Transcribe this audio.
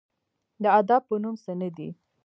د ادب په نوم څه نه دي